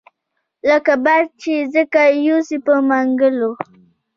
لکه باز چې زرکه یوسي په منګلو